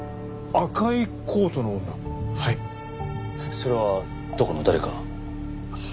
それはどこの誰かは？